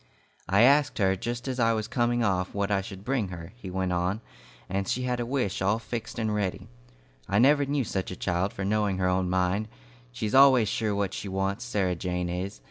"I asked her, just as I was coming off, what I should bring her," he went on, "and she had a wish all fixed and ready. I never knew such a child for knowing her own mind. She's always sure what she wants, Sarah Jane is.